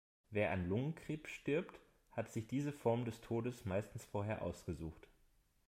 Wer an Lungenkrebs stirbt, hat sich diese Form des Todes meistens vorher ausgesucht.